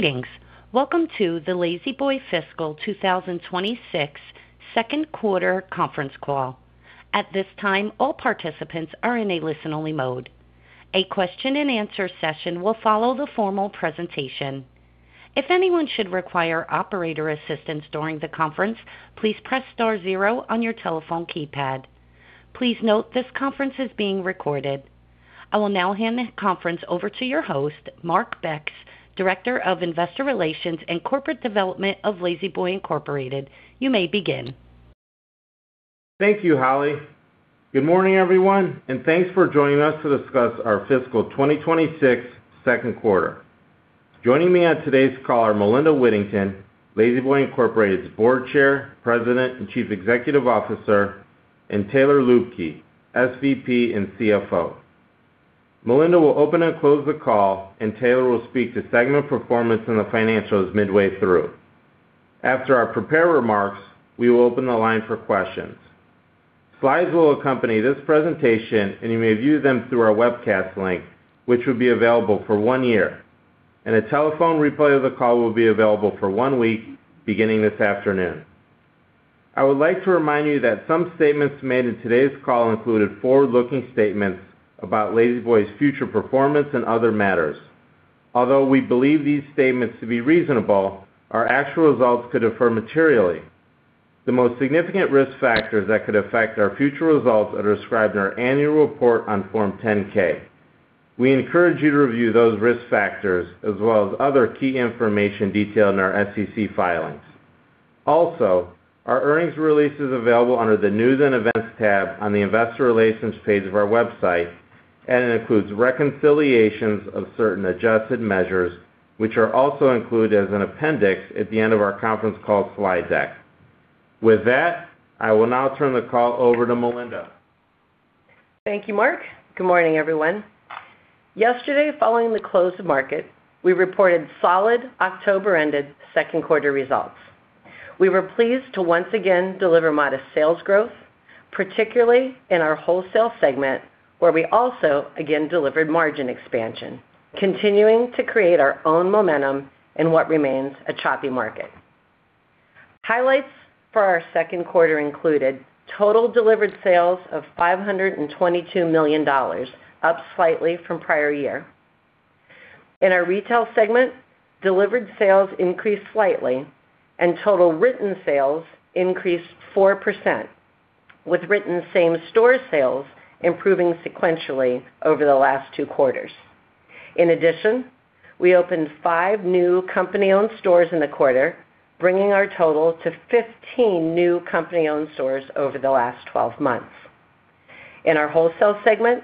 Greetings. Welcome to the La-Z-Boy Fiscal 2026 second quarter conference call. At this time, all participants are in a listen-only mode. A question-and-answer session will follow the formal presentation. If anyone should require operator assistance during the conference, please press star zero on your telephone keypad. Please note this conference is being recorded. I will now hand the conference over to your host, Mark Becks, Director of Investor Relations and Corporate Development of La-Z-Boy Incorporated. You may begin. Thank you, Holly. Good morning, everyone, and thanks for joining us to discuss our fiscal 2026 second quarter. Joining me on today's call are Melinda Whittington, La-Z-Boy Incorporated's Board Chair, President, and Chief Executive Officer, and Taylor Liebke, SVP and CFO. Melinda will open and close the call, and Taylor will speak to segment performance and the financials midway through. After our prepared remarks, we will open the line for questions. Slides will accompany this presentation, and you may view them through our webcast link, which will be available for one year. A telephone replay of the call will be available for one week, beginning this afternoon. I would like to remind you that some statements made in today's call included forward-looking statements about La-Z-Boy's future performance and other matters. Although we believe these statements to be reasonable, our actual results could differ materially. The most significant risk factors that could affect our future results are described in our annual report on Form 10-K. We encourage you to review those risk factors, as well as other key information detailed in our SEC filings. Also, our earnings release is available under the News and Events tab on the Investor Relations page of our website, and it includes reconciliations of certain adjusted measures, which are also included as an appendix at the end of our conference call slide deck. With that, I will now turn the call over to Melinda. Thank you, Mark. Good morning, everyone. Yesterday, following the close of market, we reported solid October-ended second quarter results. We were pleased to once again deliver modest sales growth, particularly in our wholesale segment, where we also again delivered margin expansion, continuing to create our own momentum in what remains a choppy market. Highlights for our second quarter included total delivered sales of $522 million, up slightly from prior year. In our retail segment, delivered sales increased slightly, and total written sales increased 4%, with written same-store sales improving sequentially over the last two quarters. In addition, we opened five new company-owned stores in the quarter, bringing our total to 15 new company-owned stores over the last 12 months. In our wholesale segment,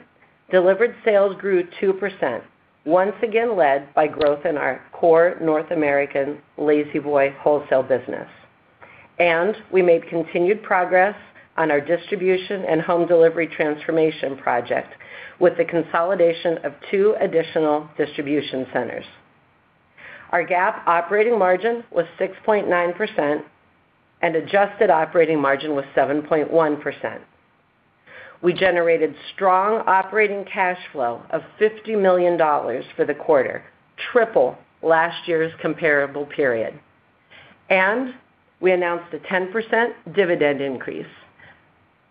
delivered sales grew 2%, once again led by growth in our core North American La-Z-Boy wholesale business. We made continued progress on our distribution and home delivery transformation project with the consolidation of two additional distribution centers. Our GAAP operating margin was 6.9%, and adjusted operating margin was 7.1%. We generated strong operating cash flow of $50 million for the quarter, triple last year's comparable period. We announced a 10% dividend increase,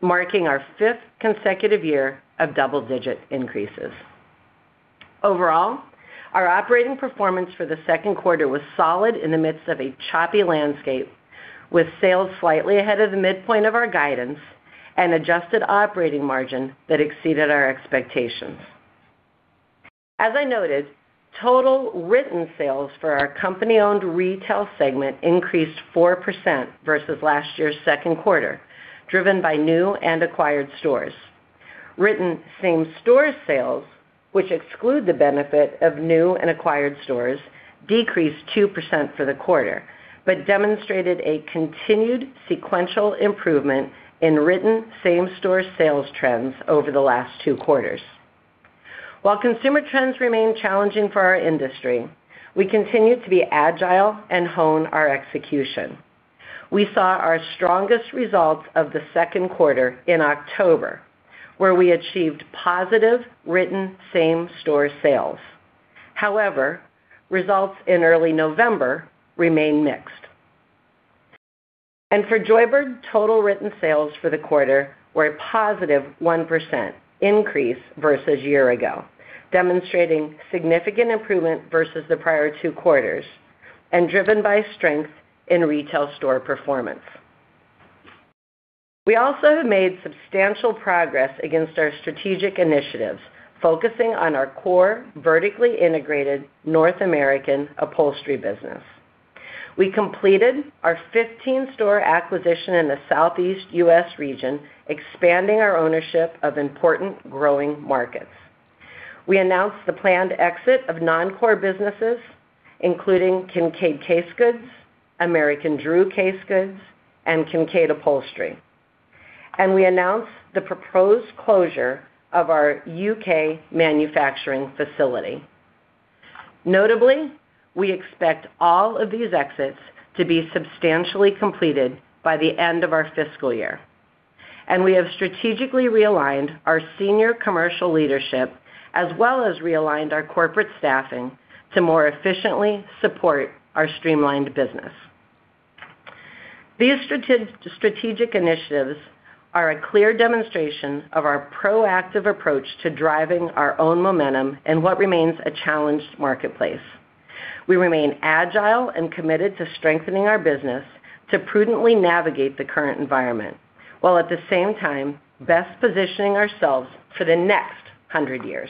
marking our fifth consecutive year of double-digit increases. Overall, our operating performance for the second quarter was solid in the midst of a choppy landscape, with sales slightly ahead of the midpoint of our guidance and adjusted operating margin that exceeded our expectations. As I noted, total written sales for our company-owned retail segment increased 4% versus last year's second quarter, driven by new and acquired stores. Written same-store sales, which exclude the benefit of new and acquired stores, decreased 2% for the quarter but demonstrated a continued sequential improvement in written same-store sales trends over the last two quarters. While consumer trends remain challenging for our industry, we continue to be agile and hone our execution. We saw our strongest results of the second quarter in October, where we achieved positive written same-store sales. However, results in early November remained mixed. For Joybird, total written sales for the quarter were a positive 1% increase versus a year ago, demonstrating significant improvement versus the prior two quarters and driven by strength in retail store performance. We also have made substantial progress against our strategic initiatives, focusing on our core vertically integrated North American upholstery business. We completed our 15-store acquisition in the Southeast U.S. region, expanding our ownership of important growing markets. We announced the planned exit of non-core businesses, including Kincaid Case Goods, American Drew Case Goods, and Kincaid Upholstery. We announced the proposed closure of our U.K. manufacturing facility. Notably, we expect all of these exits to be substantially completed by the end of our fiscal year. We have strategically realigned our senior commercial leadership, as well as realigned our corporate staffing to more efficiently support our streamlined business. These strategic initiatives are a clear demonstration of our proactive approach to driving our own momentum in what remains a challenged marketplace. We remain agile and committed to strengthening our business to prudently navigate the current environment, while at the same time best positioning ourselves for the next 100 years.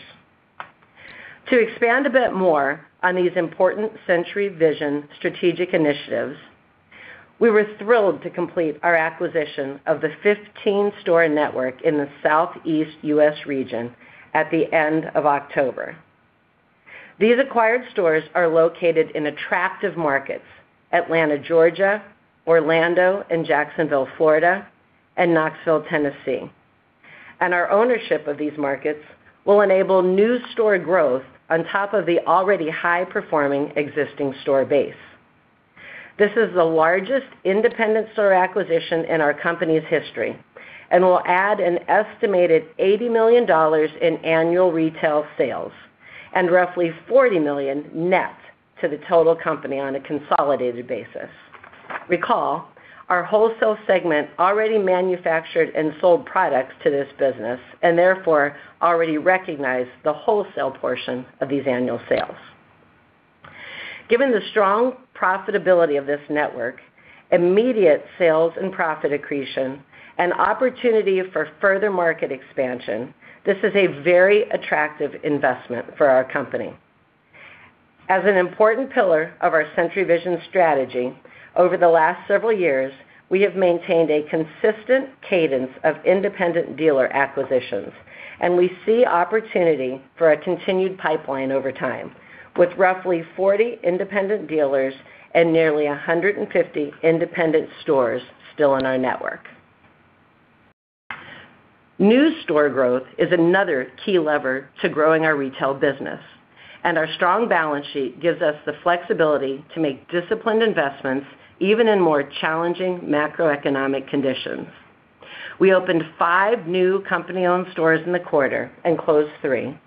To expand a bit more on these important Century Vision strategic initiatives, we were thrilled to complete our acquisition of the 15-store network in the Southeast U.S. region at the end of October. These acquired stores are located in attractive markets: Atlanta, Georgia; Orlando and Jacksonville, Florida; and Knoxville, Tennessee. Our ownership of these markets will enable new store growth on top of the already high-performing existing store base. This is the largest independent store acquisition in our company's history and will add an estimated $80 million in annual retail sales and roughly $40 million net to the total company on a consolidated basis. Recall, our wholesale segment already manufactured and sold products to this business and therefore already recognized the wholesale portion of these annual sales. Given the strong profitability of this network, immediate sales and profit accretion, and opportunity for further market expansion, this is a very attractive investment for our company. As an important pillar of our Century Vision strategy, over the last several years, we have maintained a consistent cadence of independent dealer acquisitions, and we see opportunity for a continued pipeline over time, with roughly 40 independent dealers and nearly 150 independent stores still in our network. New store growth is another key lever to growing our retail business, and our strong balance sheet gives us the flexibility to make disciplined investments even in more challenging macroeconomic conditions. We opened five new company-owned stores in the quarter and closed three,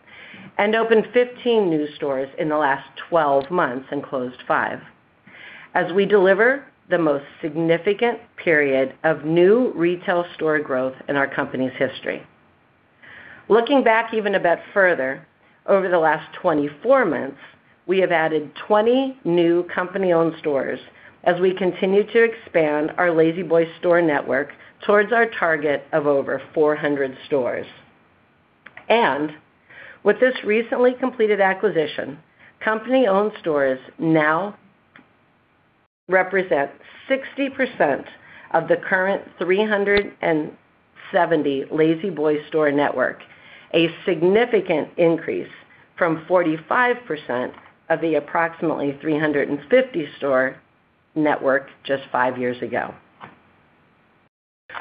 and opened 15 new stores in the last 12 months and closed five, as we deliver the most significant period of new retail store growth in our company's history. Looking back even a bit further, over the last 24 months, we have added 20 new company-owned stores as we continue to expand our La-Z-Boy store network towards our target of over 400 stores. With this recently completed acquisition, company-owned stores now represent 60% of the current 370 La-Z-Boy store network, a significant increase from 45% of the approximately 350 store network just five years ago.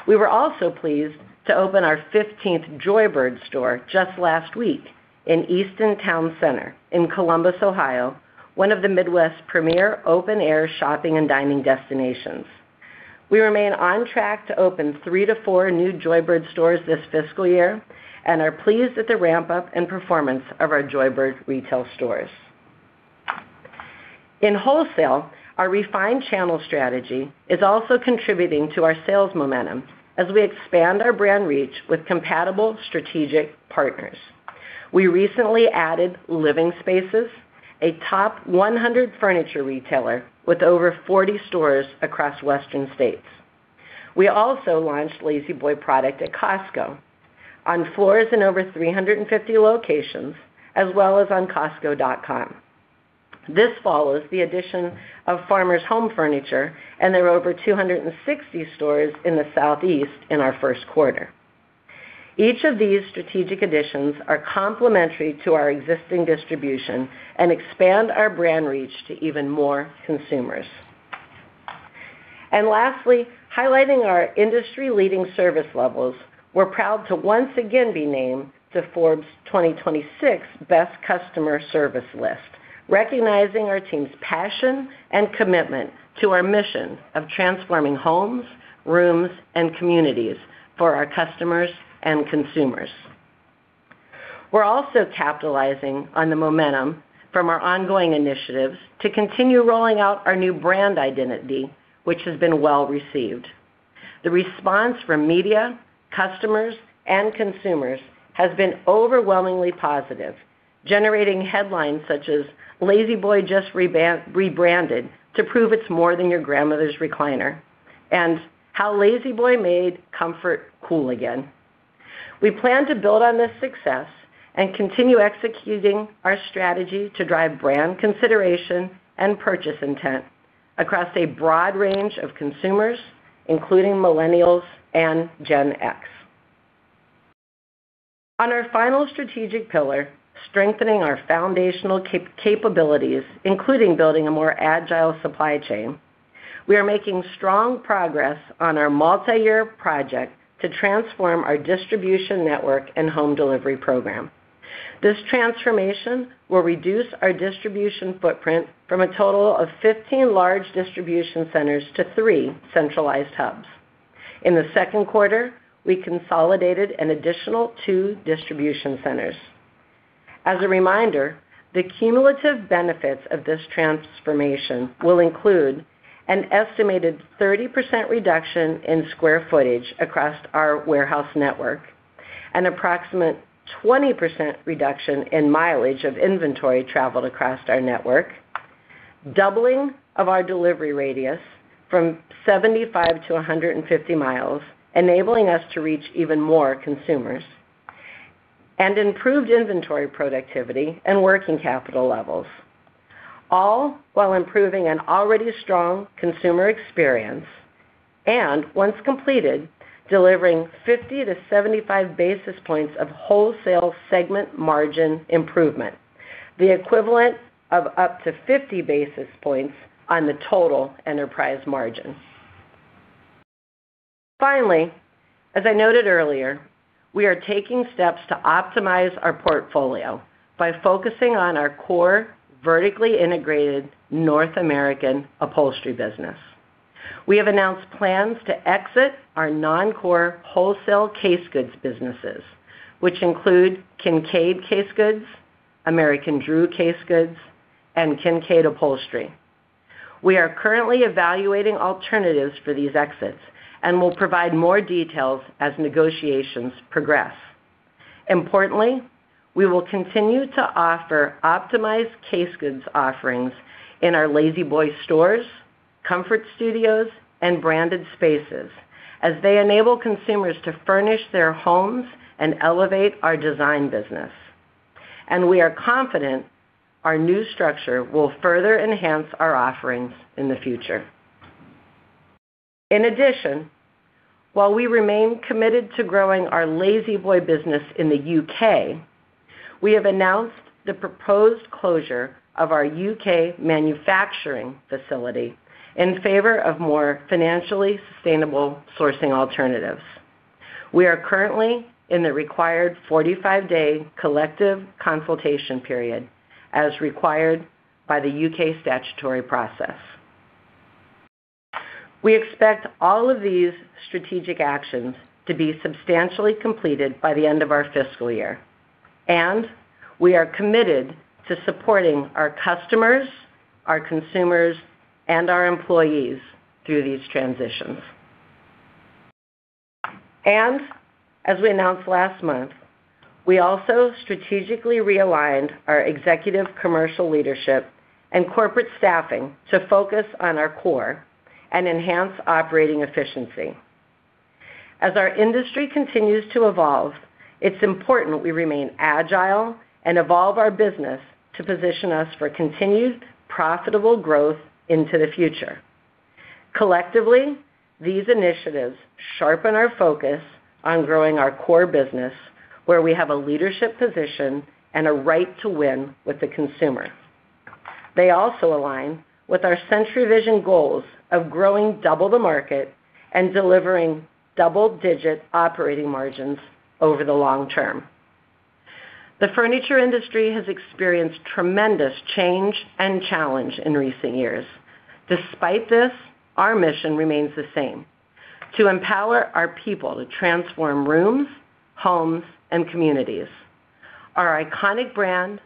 We were also pleased to open our 15th Joybird store just last week in Easton Town Center in Columbus, Ohio, one of the Midwest's premier open-air shopping and dining destinations. We remain on track to open three to four new Joybird stores this fiscal year and are pleased at the ramp-up in performance of our Joybird retail stores. In wholesale, our refined channel strategy is also contributing to our sales momentum as we expand our brand reach with compatible strategic partners. We recently added Living Spaces, a top 100 furniture retailer with over 40 stores across Western US states. We also launched La-Z-Boy product at Costco on floors in over 350 locations, as well as on Costco.com. This follows the addition of Farmer's Home Furniture, and there are over 260 stores in the Southeast in our first quarter. Each of these strategic additions are complementary to our existing distribution and expand our brand reach to even more consumers. Lastly, highlighting our industry-leading service levels, we're proud to once again be named to Forbes' 2026 Best Customer Service List, recognizing our team's passion and commitment to our mission of transforming homes, rooms, and communities for our customers and consumers. We're also capitalizing on the momentum from our ongoing initiatives to continue rolling out our new brand identity, which has been well received. The response from media, customers, and consumers has been overwhelmingly positive, generating headlines such as, "La-Z-Boy just rebranded to prove it's more than your grandmother's recliner," and "How La-Z-Boy made comfort cool again." We plan to build on this success and continue executing our strategy to drive brand consideration and purchase intent across a broad range of consumers, including millennials and Gen X. On our final strategic pillar, strengthening our foundational capabilities, including building a more agile supply chain, we are making strong progress on our multi-year project to transform our distribution network and home delivery program. This transformation will reduce our distribution footprint from a total of 15 large distribution centers to three centralized hubs. In the second quarter, we consolidated an additional two distribution centers. As a reminder, the cumulative benefits of this transformation will include an estimated 30% reduction in square footage across our warehouse network, an approximate 20% reduction in mileage of inventory traveled across our network, doubling of our delivery radius from 75 to 150 mi, enabling us to reach even more consumers, and improved inventory productivity and working capital levels, all while improving an already strong consumer experience and, once completed, delivering 50 to 75 basis points of wholesale segment margin improvement, the equivalent of up to 50 basis points on the total enterprise margin. Finally, as I noted earlier, we are taking steps to optimize our portfolio by focusing on our core vertically integrated North American upholstery business. We have announced plans to exit our non-core wholesale case goods businesses, which include Kincaid Case Goods, American Drew Case Goods, and Kincaid Upholstery. We are currently evaluating alternatives for these exits and will provide more details as negotiations progress. Importantly, we will continue to offer optimized case goods offerings in our La-Z-Boy stores, comfort studios, and branded spaces as they enable consumers to furnish their homes and elevate our design business. We are confident our new structure will further enhance our offerings in the future. In addition, while we remain committed to growing our La-Z-Boy business in the U.K., we have announced the proposed closure of our U.K. manufacturing facility in favor of more financially sustainable sourcing alternatives. We are currently in the required 45-day collective consultation period, as required by the U.K. statutory process. We expect all of these strategic actions to be substantially completed by the end of our fiscal year. We are committed to supporting our customers, our consumers, and our employees through these transitions. As we announced last month, we also strategically realigned our executive commercial leadership and corporate staffing to focus on our core and enhance operating efficiency. As our industry continues to evolve, it's important we remain agile and evolve our business to position us for continued profitable growth into the future. Collectively, these initiatives sharpen our focus on growing our core business, where we have a leadership position and a right to win with the consumer. They also align with our Century Vision goals of growing double the market and delivering double-digit operating margins over the long term. The furniture industry has experienced tremendous change and challenge in recent years. Despite this, our mission remains the same: to empower our people to transform rooms, homes, and communities. Our iconic brand,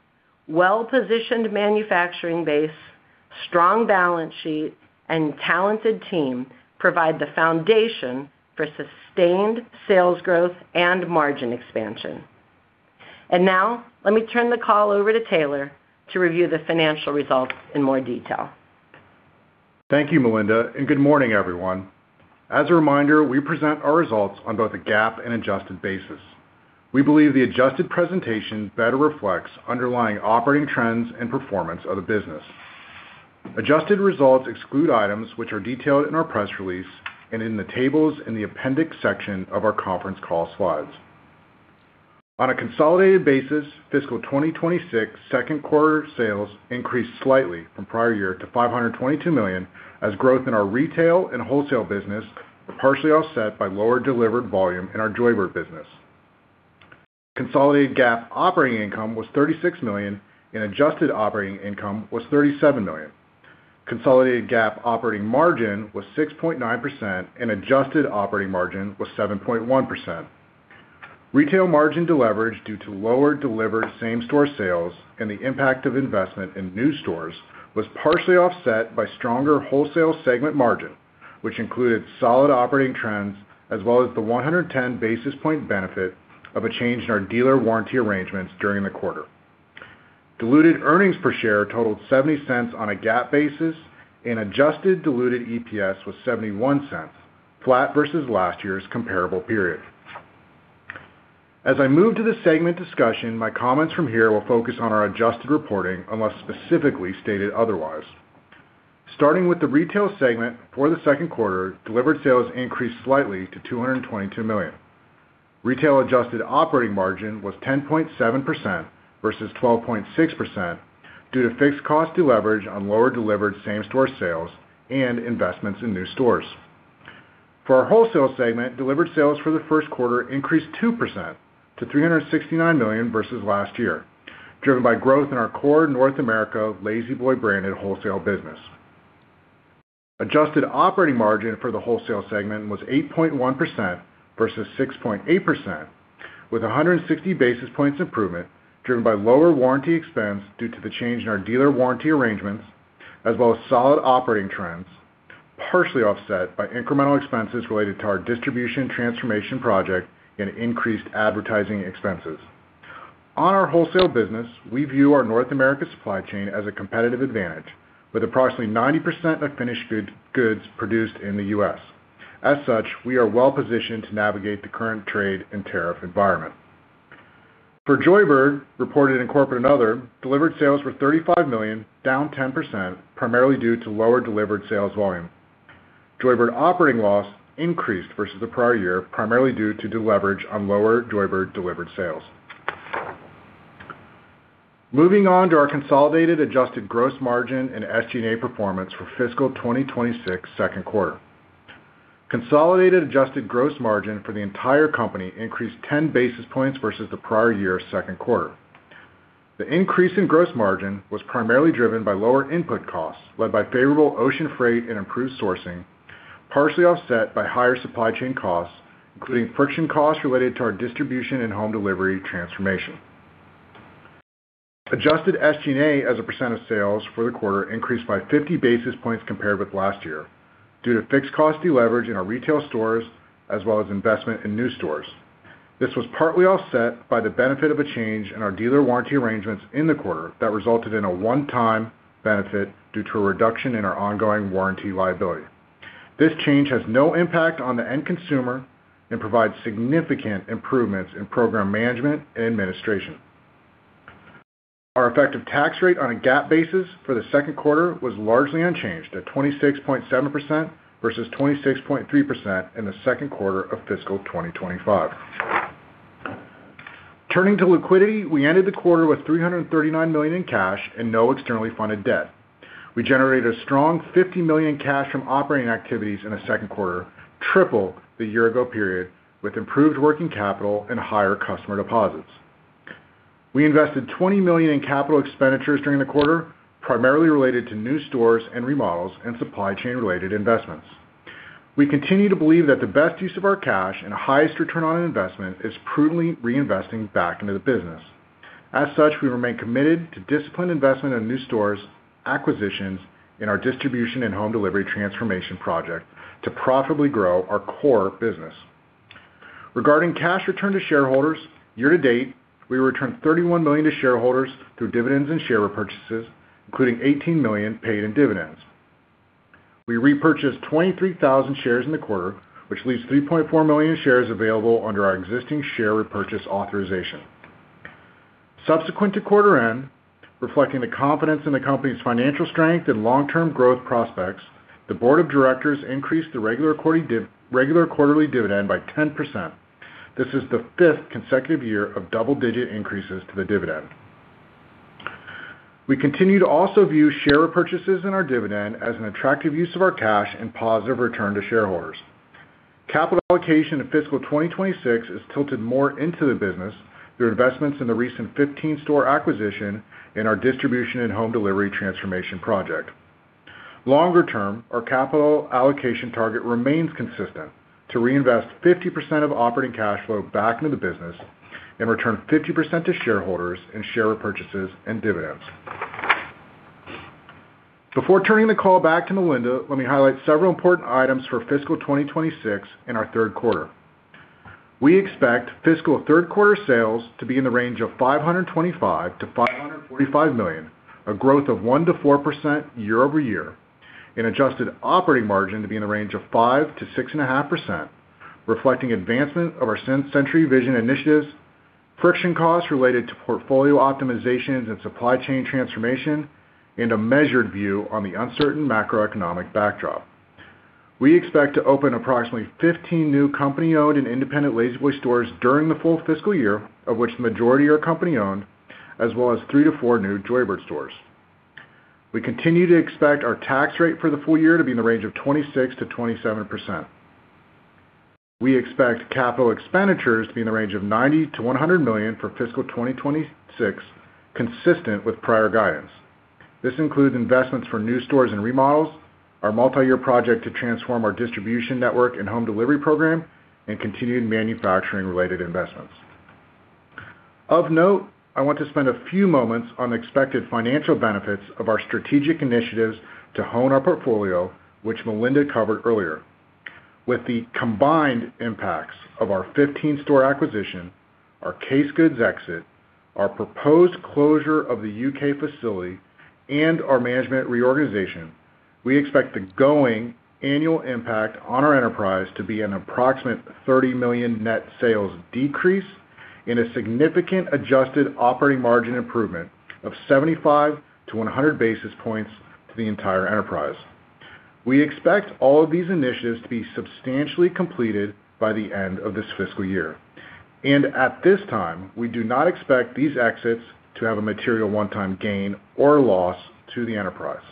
well-positioned manufacturing base, strong balance sheet, and talented team provide the foundation for sustained sales growth and margin expansion. Now, let me turn the call over to Taylor to review the financial results in more detail. Thank you, Melinda, and good morning, everyone. As a reminder, we present our results on both a GAAP and adjusted basis. We believe the adjusted presentation better reflects underlying operating trends and performance of the business. Adjusted results exclude items which are detailed in our press release and in the tables in the appendix section of our conference call slides. On a consolidated basis, fiscal 2026 second quarter sales increased slightly from prior year to $522 million as growth in our retail and wholesale business was partially offset by lower delivered volume in our Joybird business. Consolidated GAAP operating income was $36 million, and adjusted operating income was $37 million. Consolidated GAAP operating margin was 6.9%, and adjusted operating margin was 7.1%. Retail margin deleveraged due to lower delivered same-store sales, and the impact of investment in new stores was partially offset by stronger wholesale segment margin, which included solid operating trends as well as the 110 basis point benefit of a change in our dealer warranty arrangements during the quarter. Diluted earnings per share totaled $0.70 on a GAAP basis, and adjusted diluted EPS was $0.71, flat versus last year's comparable period. As I move to the segment discussion, my comments from here will focus on our adjusted reporting unless specifically stated otherwise. Starting with the retail segment for the second quarter, delivered sales increased slightly to $222 million. Retail adjusted operating margin was 10.7% versus 12.6% due to fixed cost deleverage on lower delivered same-store sales and investments in new stores. For our wholesale segment, delivered sales for the first quarter increased 2% to $369 million versus last year, driven by growth in our core North America La-Z-Boy branded wholesale business. Adjusted operating margin for the wholesale segment was 8.1% versus 6.8%, with 160 basis points improvement driven by lower warranty expense due to the change in our dealer warranty arrangements, as well as solid operating trends, partially offset by incremental expenses related to our distribution transformation project and increased advertising expenses. On our wholesale business, we view our North America supply chain as a competitive advantage, with approximately 90% of finished goods produced in the U.S. As such, we are well positioned to navigate the current trade and tariff environment. For Joybird, reported in corporate and other, delivered sales were $35 million, down 10%, primarily due to lower delivered sales volume. Joybird operating loss increased versus the prior year, primarily due to deleverage on lower Joybird delivered sales. Moving on to our consolidated adjusted gross margin and SG&A performance for fiscal 2026 second quarter. Consolidated adjusted gross margin for the entire company increased 10 basis points versus the prior year's second quarter. The increase in gross margin was primarily driven by lower input costs led by favorable ocean freight and improved sourcing, partially offset by higher supply chain costs, including friction costs related to our distribution and home delivery transformation. Adjusted SG&A as a percent of sales for the quarter increased by 50 basis points compared with last year due to fixed cost deleverage in our retail stores as well as investment in new stores. This was partly offset by the benefit of a change in our dealer warranty arrangements in the quarter that resulted in a one-time benefit due to a reduction in our ongoing warranty liability. This change has no impact on the end consumer and provides significant improvements in program management and administration. Our effective tax rate on a GAAP basis for the second quarter was largely unchanged at 26.7% versus 26.3% in the second quarter of fiscal 2025. Turning to liquidity, we ended the quarter with $339 million in cash and no externally funded debt. We generated a strong $50 million in cash from operating activities in the second quarter, triple the year-ago period, with improved working capital and higher customer deposits. We invested $20 million in capital expenditures during the quarter, primarily related to new stores and remodels and supply chain-related investments. We continue to believe that the best use of our cash and highest return on investment is prudently reinvesting back into the business. As such, we remain committed to disciplined investment in new stores, acquisitions, and our distribution and home delivery transformation project to profitably grow our core business. Regarding cash return to shareholders, year to date, we returned $31 million to shareholders through dividends and share repurchases, including $18 million paid in dividends. We repurchased 23,000 shares in the quarter, which leaves $3.4 million available under our existing share repurchase authorization. Subsequent to quarter end, reflecting the confidence in the company's financial strength and long-term growth prospects, the board of directors increased the regular quarterly dividend by 10%. This is the fifth consecutive year of double-digit increases to the dividend. We continue to also view share repurchases and our dividend as an attractive use of our cash and positive return to shareholders. Capital allocation in fiscal 2026 is tilted more into the business through investments in the recent 15-store acquisition and our distribution and home delivery transformation project. Longer term, our capital allocation target remains consistent to reinvest 50% of operating cash flow back into the business and return 50% to shareholders in share repurchases and dividends. Before turning the call back to Melinda, let me highlight several important items for fiscal 2026 in our third quarter. We expect fiscal third quarter sales to be in the range of $525-$545 million, a growth of 1-4% year-over-year, and adjusted operating margin to be in the range of 5-6.5%, reflecting advancement of our Century Vision initiatives, friction costs related to portfolio optimizations and supply chain transformation, and a measured view on the uncertain macroeconomic backdrop. We expect to open approximately 15 new company-owned and independent La-Z-Boy stores during the full fiscal year, of which the majority are company-owned, as well as three to four new Joybird stores. We continue to expect our tax rate for the full year to be in the range of 26-27%. We expect capital expenditures to be in the range of $90-$100 million for fiscal 2026, consistent with prior guidance. This includes investments for new stores and remodels, our multi-year project to transform our distribution network and home delivery program, and continued manufacturing-related investments. Of note, I want to spend a few moments on the expected financial benefits of our strategic initiatives to hone our portfolio, which Melinda covered earlier. With the combined impacts of our 15-store acquisition, our case goods exit, our proposed closure of the U.K. facility, and our management reorganization, we expect the going annual impact on our enterprise to be an approximate $30 million net sales decrease and a significant adjusted operating margin improvement of 75-100 basis points to the entire enterprise. We expect all of these initiatives to be substantially completed by the end of this fiscal year. At this time, we do not expect these exits to have a material one-time gain or loss to the enterprise.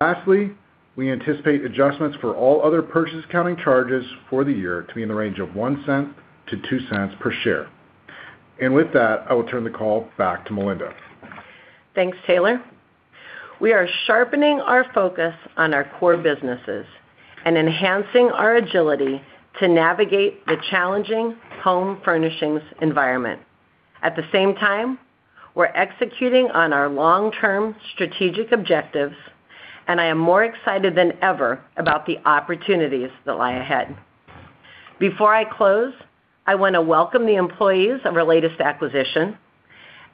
Lastly, we anticipate adjustments for all other purchase accounting charges for the year to be in the range of $0.01-$0.02 per share. With that, I will turn the call back to Melinda. Thanks, Taylor. We are sharpening our focus on our core businesses and enhancing our agility to navigate the challenging home furnishings environment. At the same time, we're executing on our long-term strategic objectives, and I am more excited than ever about the opportunities that lie ahead. Before I close, I want to welcome the employees of our latest acquisition,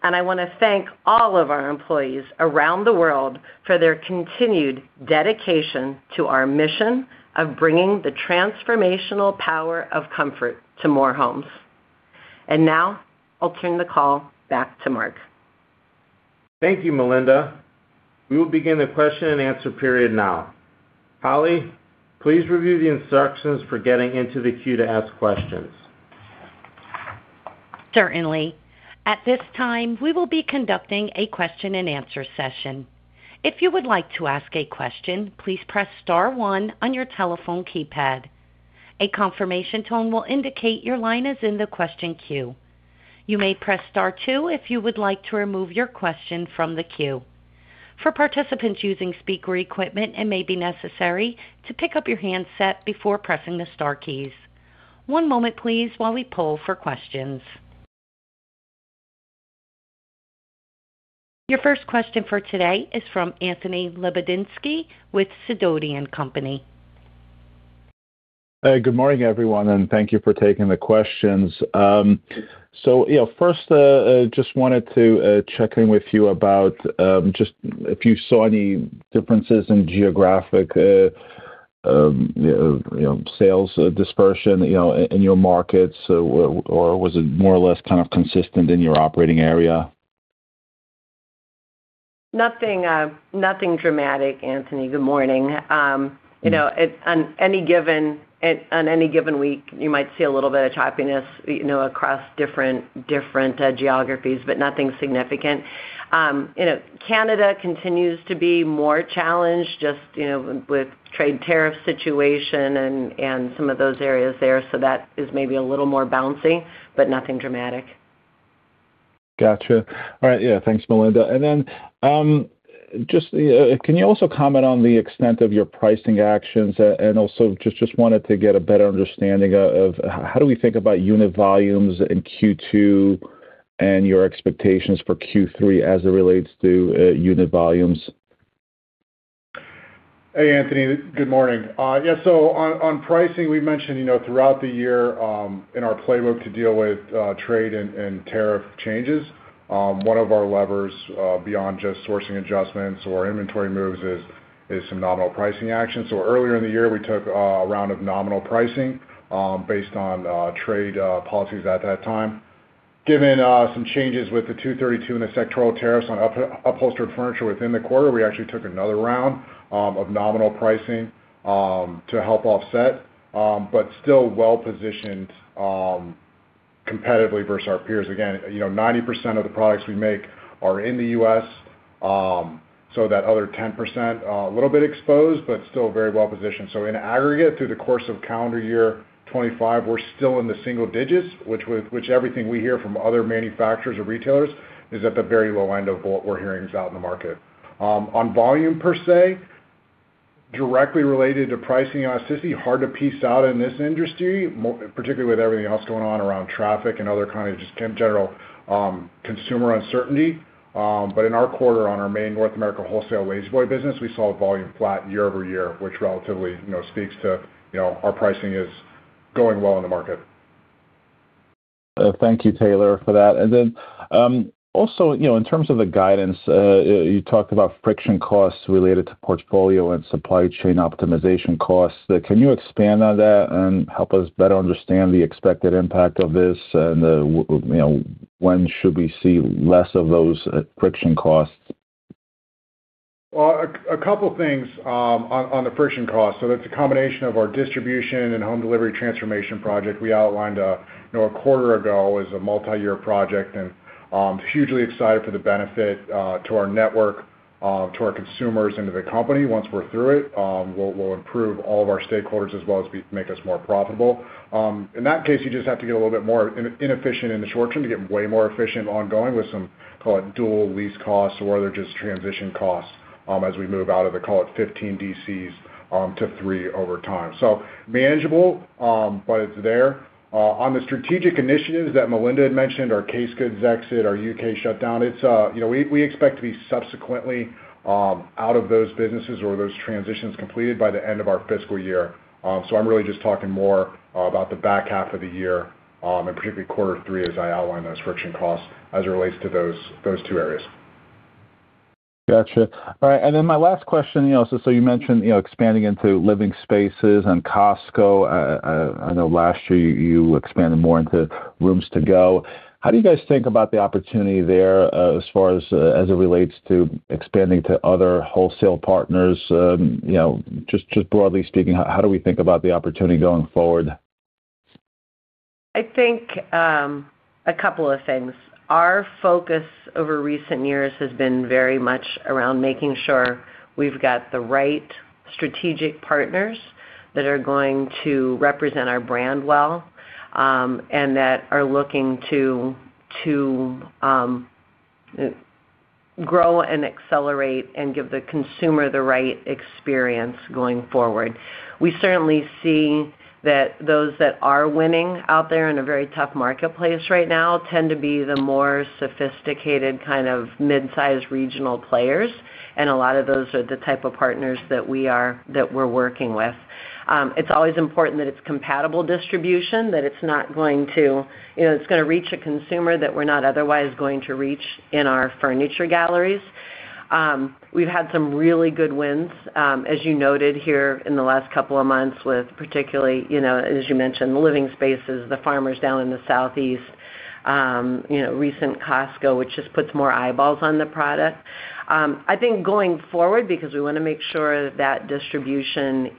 and I want to thank all of our employees around the world for their continued dedication to our mission of bringing the transformational power of comfort to more homes. Now, I'll turn the call back to Mark. Thank you, Melinda. We will begin the question and answer period now. Holly, please review the instructions for getting into the queue to ask questions. Certainly.At this time, we will be conducting a question and answer session. If you would like to ask a question, please press star one on your telephone keypad. A confirmation tone will indicate your line is in the question queue. You may press star two if you would like to remove your question from the queue. For participants using speaker equipment, it may be necessary to pick up your handset before pressing the star keys. One moment, please, while we poll for questions. Your first question for today is from Anthony Lebiedzinski with Sidoti & Company. Hey, good morning, everyone, and thank you for taking the questions. First, I just wanted to check in with you about if you saw any differences in geographic sales dispersion in your markets, or was it more or less kind of consistent in your operating area? Nothing dramatic, Anthony. Good morning. On any given week, you might see a little bit of choppiness across different geographies, but nothing significant. Canada continues to be more challenged just with trade tariff situation and some of those areas there, so that is maybe a little more bouncy, but nothing dramatic. Gotcha. All right. Yeah, thanks, Melinda. Can you also comment on the extent of your pricing actions? I just wanted to get a better understanding of how do we think about unit volumes in Q2 and your expectations for Q3 as it relates to unit volumes? Hey, Anthony. Good morning. Yeah, on pricing, we mentioned throughout the year in our playbook to deal with trade and tariff changes, one of our levers beyond just sourcing adjustments or inventory moves is some nominal pricing action. Earlier in the year, we took a round of nominal pricing based on trade policies at that time. Given some changes with the 232 and the sectoral tariffs on upholstered furniture within the quarter, we actually took another round of nominal pricing to help offset, but still well positioned competitively versus our peers. Again, 90% of the products we make are in the U.S., so that other 10% a little bit exposed, but still very well positioned. In aggregate, through the course of calendar year 2025, we're still in the single-digits, which everything we hear from other manufacturers or retailers is at the very low end of what we're hearing is out in the market. On volume per se, directly related to pricing elasticity, hard to piece out in this industry, particularly with everything else going on around traffic and other kind of just general consumer uncertainty. In our quarter, on our main North America wholesale La-Z-Boy business, we saw volume flat year-over-year, which relatively speaks to our pricing is going well in the market. Thank you, Taylor, for that. Also, in terms of the guidance, you talked about friction costs related to portfolio and supply chain optimization costs. Can you expand on that and help us better understand the expected impact of this and when should we see less of those friction costs? A couple of things on the friction costs. That is a combination of our distribution and home delivery transformation project we outlined a quarter ago as a multi-year project. I am hugely excited for the benefit to our network, to our consumers, and to the company. Once we are through it, we will improve all of our stakeholders as well as make us more profitable. In that case, you just have to get a little bit more inefficient in the short term to get way more efficient ongoing with some, call it, dual lease costs or other just transition costs as we move out of the, call it, 15 DCs to 3 over time. Manageable, but it is there. On the strategic initiatives that Melinda had mentioned, our case goods exit, our U.K. shutdown, we expect to be subsequently out of those businesses or those transitions completed by the end of our fiscal year. I am really just talking more about the back half of the year and particularly quarter three as I outline those friction costs as it relates to those two areas. Gotcha. All right. My last question, you mentioned expanding into Living Spaces and Costco. I know last year you expanded more into Rooms To Go. How do you guys think about the opportunity there as far as it relates to expanding to other wholesale partners? Just broadly speaking, how do we think about the opportunity going forward? I think a couple of things. Our focus over recent years has been very much around making sure we've got the right strategic partners that are going to represent our brand well and that are looking to grow and accelerate and give the consumer the right experience going forward. We certainly see that those that are winning out there in a very tough marketplace right now tend to be the more sophisticated kind of mid-size regional players. A lot of those are the type of partners that we are working with. It's always important that it's compatible distribution, that it's going to reach a consumer that we're not otherwise going to reach in our furniture galleries. We've had some really good wins, as you noted here in the last couple of months with particularly, as you mentioned, the Living Spaces, the Farmer's down in the Southeast, recent Costco, which just puts more eyeballs on the product. I think going forward, because we want to make sure that distribution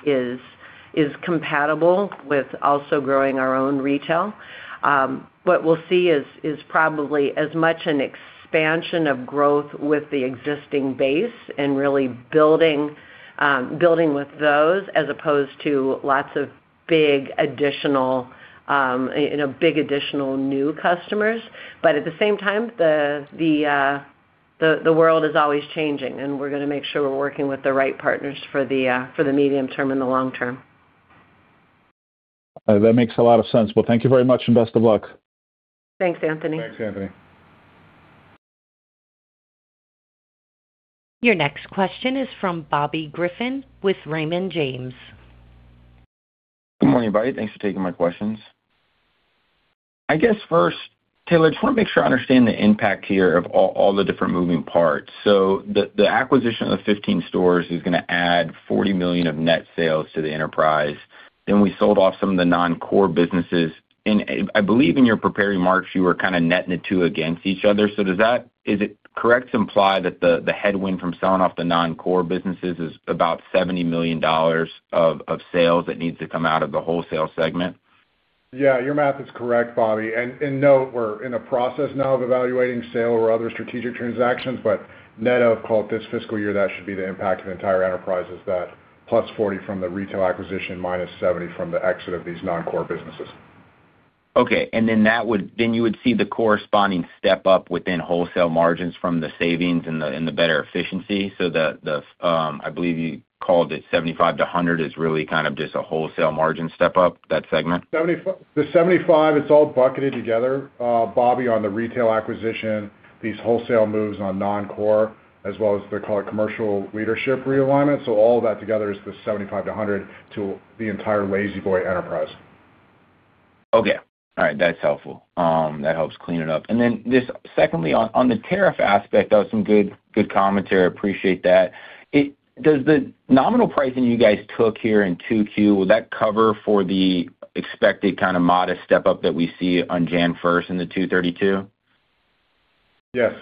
is compatible with also growing our own retail, what we'll see is probably as much an expansion of growth with the existing base and really building with those as opposed to lots of big additional new customers. At the same time, the world is always changing, and we're going to make sure we're working with the right partners for the medium term and the long term. That makes a lot of sense. Thank you very much and best of luck. Thanks, Anthony. Thanks, Anthony. Your next question is from Bobby Griffin with Raymond James. Good morning, everybody. Thanks for taking my questions. I guess first, Taylor, I just want to make sure I understand the impact here of all the different moving parts. The acquisition of the 15 stores is going to add $40 million of net sales to the enterprise. Then we sold off some of the non-core businesses. I believe in your prepared remarks, you were kind of netting the two against each other. Does that—is it correct to imply that the headwind from selling off the non-core businesses is about $70 million of sales that needs to come out of the wholesale segment? Yeah, your math is correct, Bobby. No, we're in the process now of evaluating sale or other strategic transactions, but net of, call it this fiscal year, that should be the impact of the entire enterprise is that plus 40 from the retail acquisition, minus 70 from the exit of these non-core businesses. Okay. You would see the corresponding step up within wholesale margins from the savings and the better efficiency. I believe you called it 75-100 is really kind of just a wholesale margin step up, that segment? The 75, it's all bucketed together, Bobby, on the retail acquisition, these wholesale moves on non-core, as well as the, call it, commercial leadership realignment. All of that together is the 75-100 to the entire La-Z-Boy enterprise. Okay. All right. That's helpful. That helps clean it up. Then secondly, on the tariff aspect, that was some good commentary. I appreciate that. Does the nominal pricing you guys took here in Q2, will that cover for the expected kind of modest step up that we see on January 1 in the 232? Yes.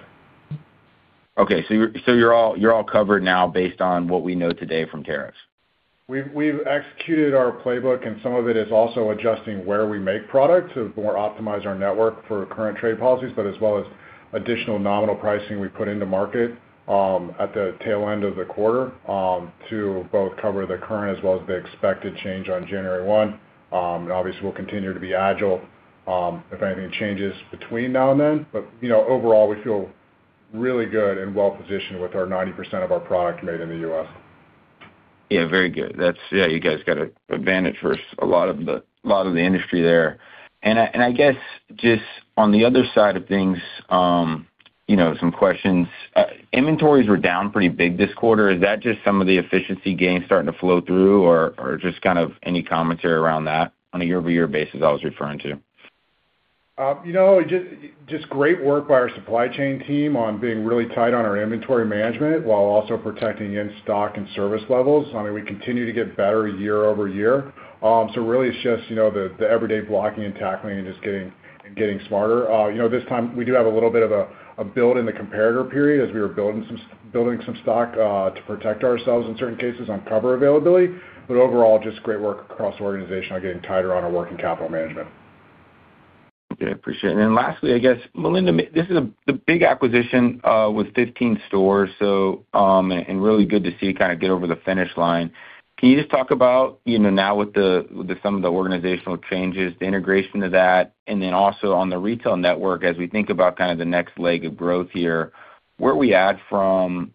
Okay. So you're all covered now based on what we know today from tariffs? We've executed our playbook, and some of it is also adjusting where we make products to more optimize our network for current trade policies, as well as additional nominal pricing we put into market at the tail end of the quarter to both cover the current as well as the expected change on January 1. Obviously, we'll continue to be agile if anything changes between now and then. Overall, we feel really good and well positioned with our 90% of our product made in the U.S. Yeah, very good. Yeah, you guys got an advantage for a lot of the industry there. I guess just on the other side of things, some questions. Inventories were down pretty big this quarter. Is that just some of the efficiency gain starting to flow through, or just kind of any commentary around that on a year-over-year basis I was referring to? Just great work by our supply chain team on being really tight on our inventory management while also protecting in-stock and service levels. I mean, we continue to get better year over year. Really, it's just the everyday blocking and tackling and just getting smarter. This time, we do have a little bit of a build in the comparator period as we were building some stock to protect ourselves in certain cases on cover availability. Overall, just great work across organizational getting tighter on our work in capital management. Okay. Appreciate it. Lastly, I guess, Melinda, this is a big acquisition with 15 stores, and really good to see it kind of get over the finish line. Can you just talk about now with some of the organizational changes, the integration of that, and then also on the retail network as we think about kind of the next leg of growth here, where we add from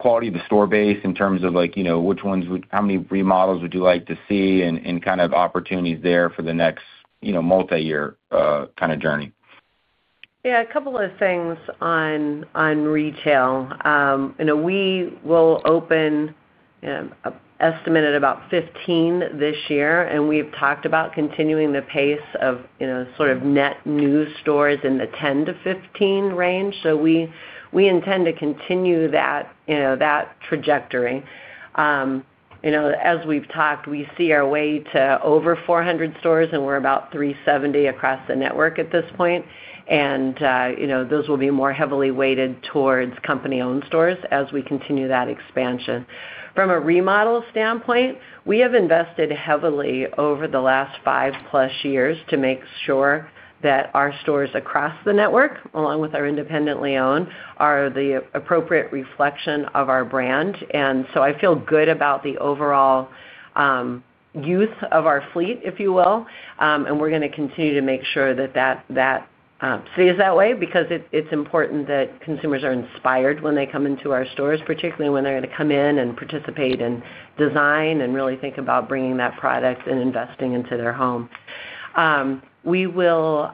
quality of the store base in terms of which ones would, how many remodels would you like to see and kind of opportunities there for the next multi-year kind of journey? Yeah, a couple of things on retail. We will open estimated about 15 this year, and we've talked about continuing the pace of sort of net new stores in the 10-15 range. We intend to continue that trajectory. As we've talked, we see our way to over 400 stores, and we're about 370 across the network at this point. Those will be more heavily weighted towards company-owned stores as we continue that expansion. From a remodel standpoint, we have invested heavily over the last five-plus years to make sure that our stores across the network, along with our independently owned, are the appropriate reflection of our brand. I feel good about the overall youth of our fleet, if you will. We're going to continue to make sure that that stays that way because it's important that consumers are inspired when they come into our stores, particularly when they're going to come in and participate in design and really think about bringing that product and investing into their home. We will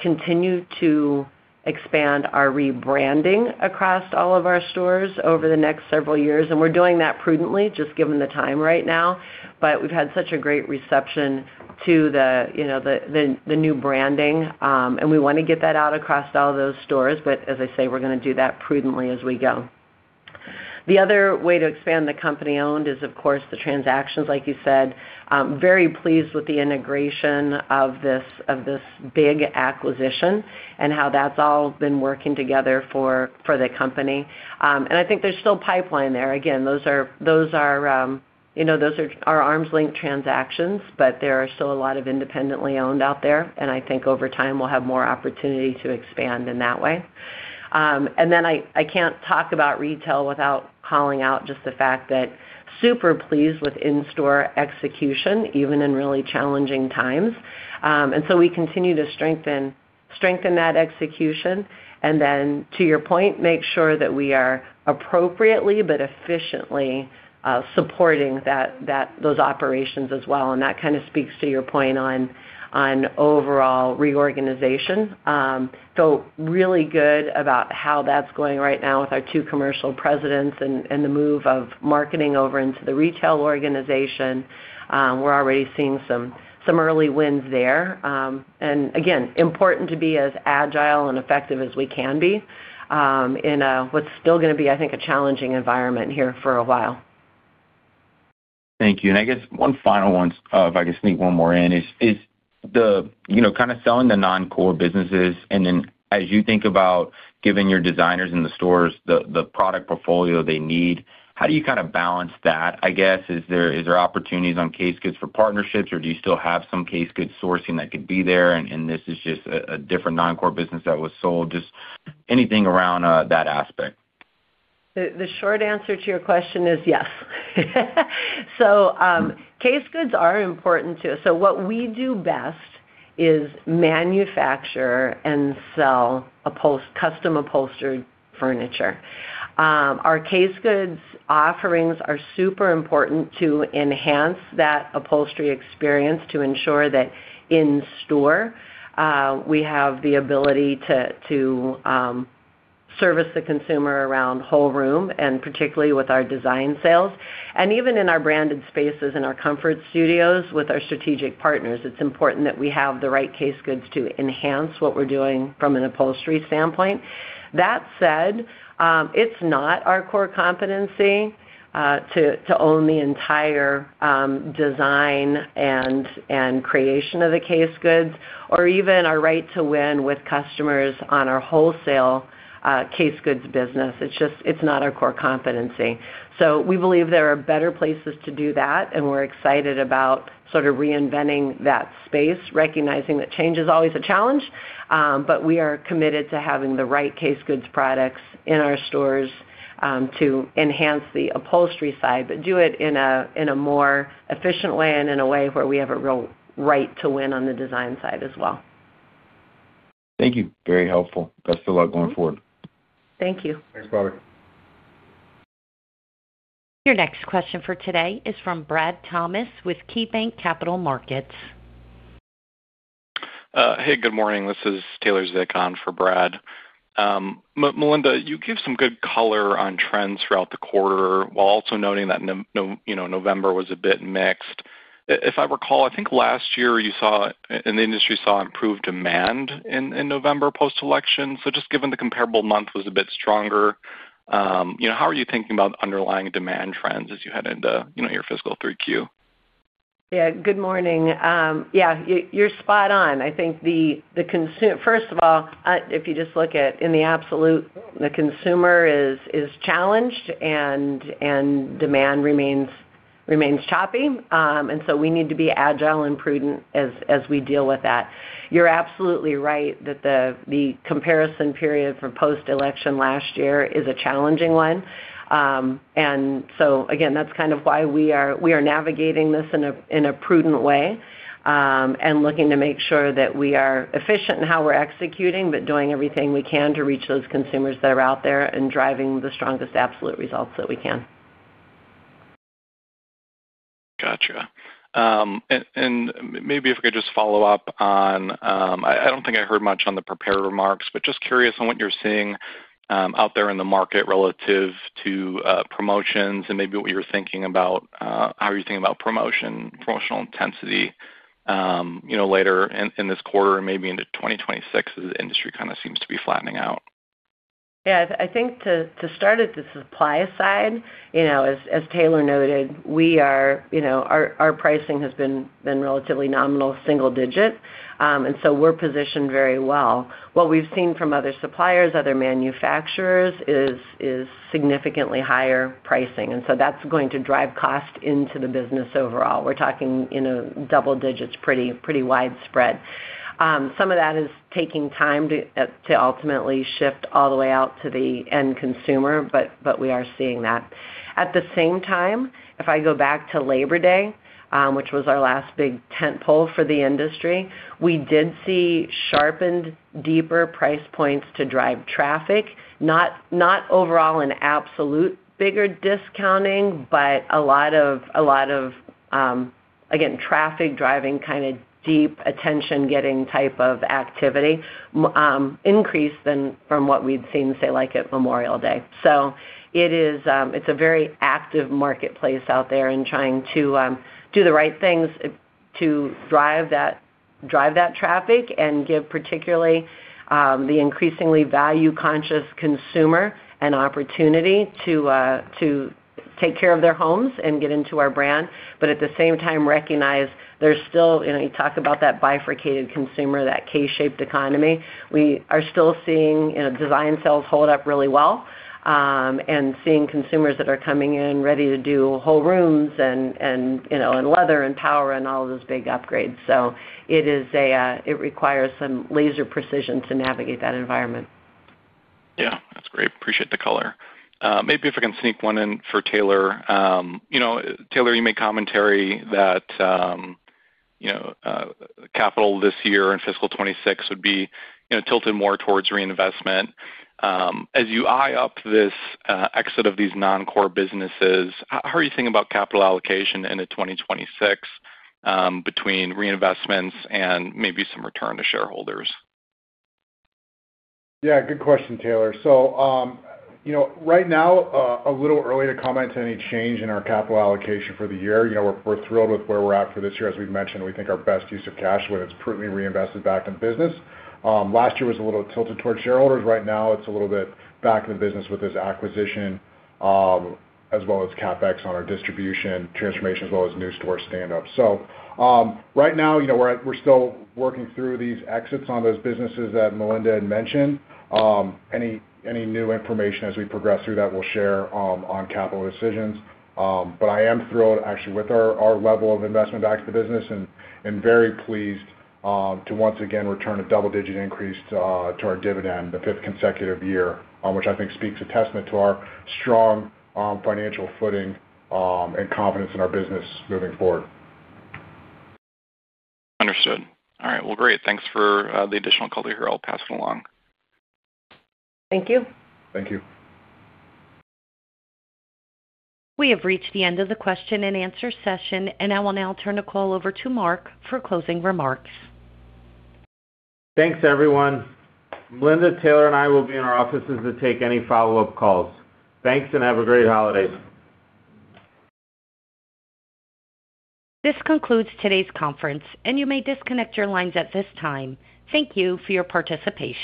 continue to expand our rebranding across all of our stores over the next several years. We are doing that prudently, just given the time right now. We have had such a great reception to the new branding, and we want to get that out across all those stores. As I say, we are going to do that prudently as we go. The other way to expand the company-owned is, of course, the transactions, like you said. Very pleased with the integration of this big acquisition and how that has all been working together for the company. I think there is still pipeline there. Again, those are our arms-length transactions, but there are still a lot of independently owned out there. I think over time, we will have more opportunity to expand in that way. I cannot talk about retail without calling out just the fact that super pleased with in-store execution, even in really challenging times. We continue to strengthen that execution. To your point, make sure that we are appropriately but efficiently supporting those operations as well. That kind of speaks to your point on overall reorganization. Really good about how that's going right now with our two commercial presidents and the move of marketing over into the retail organization. We are already seeing some early wins there. Again, important to be as agile and effective as we can be in what is still going to be, I think, a challenging environment here for a while. Thank you. I guess one final one, if I could sneak one more in, is kind of selling the non-core businesses. As you think about giving your designers in the stores the product portfolio they need, how do you kind of balance that? I guess, is there opportunities on case goods for partnerships, or do you still have some case goods sourcing that could be there? This is just a different non-core business that was sold. Just anything around that aspect. The short answer to your question is yes. Case goods are important to us. What we do best is manufacture and sell custom upholstered furniture. Our case goods offerings are super important to enhance that upholstery experience to ensure that in-store, we have the ability to service the consumer around whole room, and particularly with our design sales. Even in our branded spaces and our comfort studios with our strategic partners, it's important that we have the right case goods to enhance what we're doing from an upholstery standpoint. That said, it's not our core competency to own the entire design and creation of the case goods or even our right to win with customers on our wholesale case goods business. It's not our core competency. We believe there are better places to do that, and we're excited about sort of reinventing that space, recognizing that change is always a challenge. We are committed to having the right case goods products in our stores to enhance the upholstery side, but do it in a more efficient way and in a way where we have a real right to win on the design side as well. Thank you. Very helpful. Best of luck going forward. Thank you. Thanks, Bobby. Your next question for today is from Brad Thomas with KeyBanc Capital Markets. Hey, good morning. This is Taylor Zeckan for Brad. Melinda, you give some good color on trends throughout the quarter while also noting that November was a bit mixed. If I recall, I think last year you saw, and the industry saw, improved demand in November post-election. Just given the comparable month was a bit stronger, how are you thinking about underlying demand trends as you head into your fiscal 3Q? Yeah, good morning. Yeah, you're spot on. I think the consumer, first of all, if you just look at in the absolute, the consumer is challenged, and demand remains choppy. We need to be agile and prudent as we deal with that. You're absolutely right that the comparison period for post-election last year is a challenging one. That is kind of why we are navigating this in a prudent way and looking to make sure that we are efficient in how we are executing, but doing everything we can to reach those consumers that are out there and driving the strongest absolute results that we can. Gotcha. Maybe if I could just follow up on, I do not think I heard much on the prepared remarks, but just curious on what you are seeing out there in the market relative to promotions and maybe what you are thinking about, how are you thinking about promotional intensity later in this quarter and maybe into 2026 as the industry kind of seems to be flattening out? I think to start at the supply side, as Taylor noted, our pricing has been relatively nominal, single-digit. We are positioned very well. What we've seen from other suppliers, other manufacturers, is significantly higher pricing. That's going to drive cost into the business overall. We're talking double digits, pretty widespread. Some of that is taking time to ultimately shift all the way out to the end consumer, but we are seeing that. At the same time, if I go back to Labor Day, which was our last big tentpole for the industry, we did see sharpened, deeper price points to drive traffic, not overall an absolute bigger discounting, but a lot of, again, traffic-driving kind of deep attention-getting type of activity increased than from what we'd seen, say, like at Memorial Day. It's a very active marketplace out there and trying to do the right things to drive that traffic and give particularly the increasingly value-conscious consumer an opportunity to take care of their homes and get into our brand, but at the same time, recognize there's still, you talk about that bifurcated consumer, that K-shaped economy. We are still seeing design sales hold up really well and seeing consumers that are coming in ready to do whole rooms and leather and power and all of those big upgrades. It requires some laser precision to navigate that environment. Yeah. That's great. Appreciate the color. Maybe if I can sneak one in for Taylor. Taylor, you made commentary that capital this year and fiscal 2026 would be tilted more towards reinvestment. As you eye up this exit of these non-core businesses, how are you thinking about capital allocation into 2026 between reinvestments and maybe some return to shareholders? Yeah, good question, Taylor. Right now, a little early to comment to any change in our capital allocation for the year. We're thrilled with where we're at for this year. As we've mentioned, we think our best use of cash when it's prudently reinvested back in business. Last year was a little tilted towards shareholders. Right now, it's a little bit back in the business with this acquisition as well as CapEx on our distribution transformation as well as new store standup. Right now, we're still working through these exits on those businesses that Melinda had mentioned. Any new information as we progress through that, we'll share on capital decisions. I am thrilled actually with our level of investment back to the business and very pleased to once again return a double-digit increase to our dividend, the fifth consecutive year, which I think speaks a testament to our strong financial footing and confidence in our business moving forward. Understood. All right. Great. Thanks for the additional color here. I'll pass it along. Thank you. Thank you. We have reached the end of the question and answer session, and I will now turn the call over to Mark for closing remarks. Thanks, everyone. Melinda, Taylor, and I will be in our offices to take any follow-up calls. Thanks, and have a great holiday. This concludes today's conference, and you may disconnect your lines at this time. Thank you for your participation.